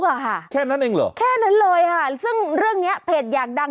อ่ะค่ะแค่นั้นเองเหรอแค่นั้นเลยค่ะซึ่งเรื่องเนี้ยเพจอยากดัง